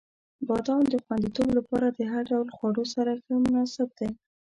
• بادام د خوندیتوب لپاره د هر ډول خواړو سره ښه مناسب دی.